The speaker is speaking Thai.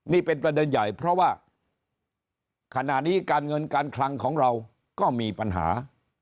นี่เป็นประเด็นใหญ่เพราะว่าขณะนี้การเงินการคลังของเราก็มีปัญหา